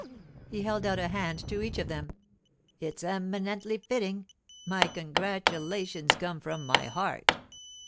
He held out a hand to each of them. 'It's eminently fitting; my congratulations come from my heart.